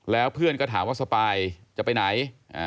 แล้วเพื่อนก็ถามว่าสปายจะไปไหน